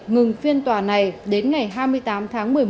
ngừng phiên tòa này đến ngày hai mươi tám tháng một mươi một